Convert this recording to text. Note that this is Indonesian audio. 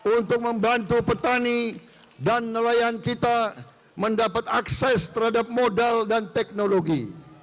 untuk membantu petani dan nelayan kita mendapat akses terhadap modal dan teknologi